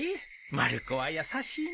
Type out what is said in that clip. まる子は優しいのう。